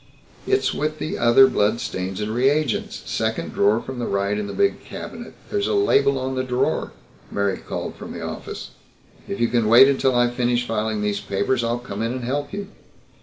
"It's with the other blood stains and reagents. Second drawer from the right in the big cabinet. There's a label on the drawer," Mary called from the office. "If you can wait until I finish filing these papers, I'll come in and help you."